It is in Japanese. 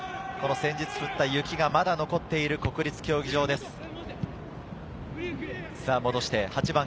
先日降った雪がまだ残っている国立競技場です。